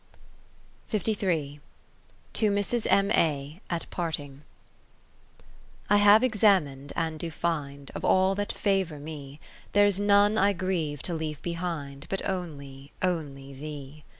To Mrs. M. A. at parting I I HAVE examin'd and do find, Of all that favour me, There's none I grieve to leave behind But only, only thee.